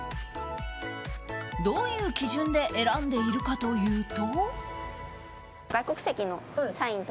どういう基準で選んでいるかというと。